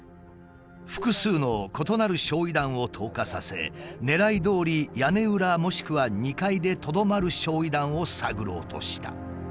複数の異なる焼夷弾を投下させ狙いどおり屋根裏もしくは２階でとどまる焼夷弾を探ろうとした。